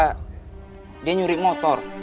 jadi dikira dia nyurik motor